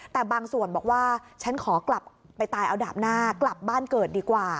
แต่บางส่วนบอกว่าฉันขอกลับไปตายเอาดาบหน้ากลับบ้านเกิดดีกว่า